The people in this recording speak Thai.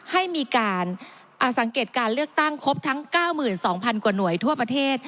ให้มีการสังเกตการเลือกตั้งครบทั้ง๙๒๐๐๐กว่าหน่วยทั่วประเทศ